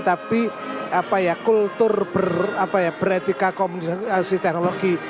tapi apa ya kultur beretika komunikasi teknologi